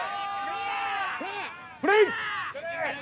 プレー！